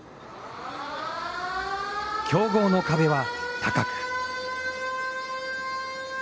強豪の壁は、高く。